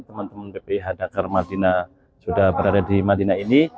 teman teman bpih dakar madinah sudah berada di madinah ini